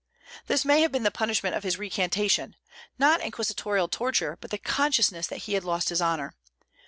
This may have been the punishment of his recantation, not Inquisitorial torture, but the consciousness that he had lost his honor.